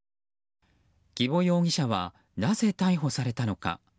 儀保容疑者はなぜ逮捕されたのか。